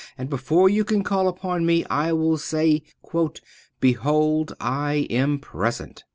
And before you can call upon Me, I will say: "Behold I am present."